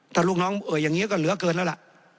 แต่ลูกน้องเอ่ยอย่างนี้ก็เหลือเกินแล้วละ